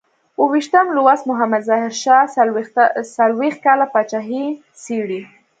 اوو ویشتم لوست محمد ظاهر شاه څلویښت کاله پاچاهي څېړي.